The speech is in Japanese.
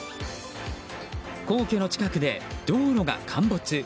皇居の近くで道路が陥没。